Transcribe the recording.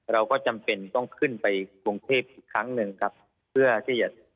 เราก็จำเป็นต้องขึ้นไปกรุงเทพอีกครั้งหนึ่งครับเพื่อที่จะ